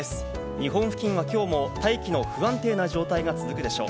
日本付近は今日も大気の不安定な状態が続くでしょう。